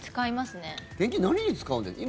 現金、何に使うんですか？